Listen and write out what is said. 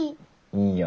いいよ。